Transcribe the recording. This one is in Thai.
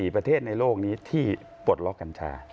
ประเทศในโลกนี้ที่ปลดล็อกกัญชา